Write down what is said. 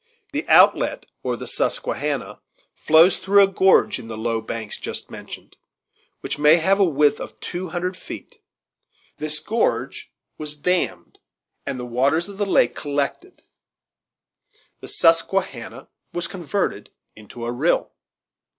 The outlet, or the Susquehanna, flows through a gorge in the low banks just mentioned, which may have a width of two hundred feet. This gorge was dammed and the waters of the lake collected: the Susquehanna was converted into a rill.